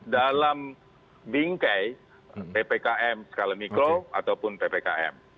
dalam bingkai ppkm skala mikro ataupun ppkm